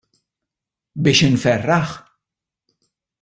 Biex inferraħ?